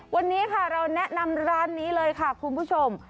วันนี้ค่ะเราแนะนำร้านนี้เลยค่ะคุณผู้ชม